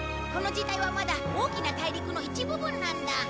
この時代はまだ大きな大陸の一部分なんだ。